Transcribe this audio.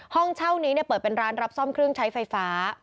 ห้องเช่านี้เปิดเป็นร้านรับซ่อมเครื่องใช้ไฟฟ้า